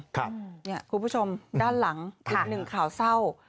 คุณผู้ชมด้านหลังอีกหนึ่งข่าวเศร้า